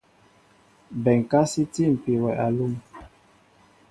Bɛnká sí tîpi wɛ alúm.